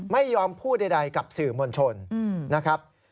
ไม่ยอมพูดใดกับสื่อมวลชนนะครับ